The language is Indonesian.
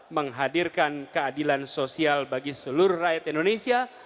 menghadirkan keadilan sosial bagi seluruh rakyat indonesia